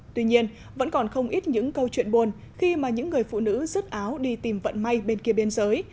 tuy nhiên vẫn còn không ít những câu chuyện buồn khi mà những người phụ nữ rứt áo đi tìm vận may bên kia biên giới